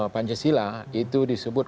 pancasila itu disebut